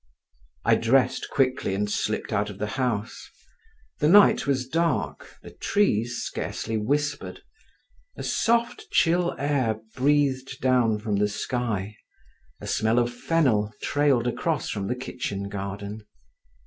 I dressed quickly and slipped out of the house. The night was dark, the trees scarcely whispered, a soft chill air breathed down from the sky, a smell of fennel trailed across from the kitchen garden.